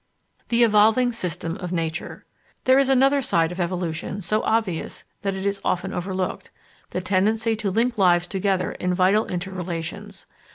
THE EVOLVING SYSTEM OF NATURE There is another side of evolution so obvious that it is often overlooked, the tendency to link lives together in vital inter relations.